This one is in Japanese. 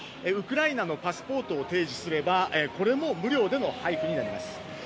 ウクライナのパスポートを提示すればこれも無料での配布になります。